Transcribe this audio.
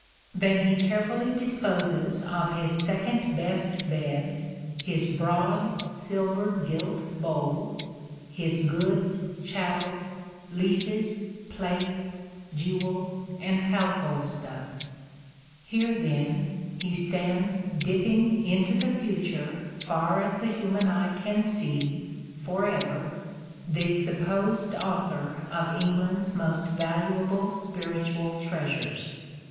Then he carefully disposes of his " second best bed," his " broad silver gilt bole," his " goodes chattels, leases, plate, jewels and household stuff." No provision Here, then, he stands dipping " into the future forunpub .,,, Hshed plays, far as human eye can see ( for ever ): this supposed author of England's most valuable spiritual treasures.